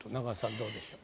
どうでしょう？